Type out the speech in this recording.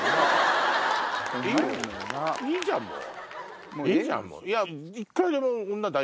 いいじゃんもう。